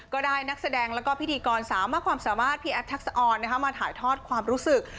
ก็ได้นักแสดงแล้วก็พิธีกรสาวมากความสามารถพี่แอฟทักษะออนมาถ่ายทอดความรู้สึก